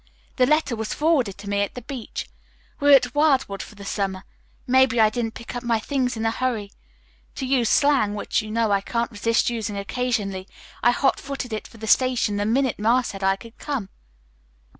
The letter was forwarded to me at the beach. We're at Wildwood for the summer. Maybe I didn't pick up my things in a hurry. To use slang, which you know I can't resist using occasionally, I hot footed it for the station the minute Ma said I could come."